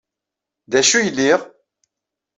D acu ay liɣ?